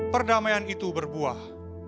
perdamaian itu berbuah